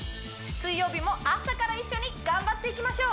水曜日も朝から一緒に頑張っていきましょう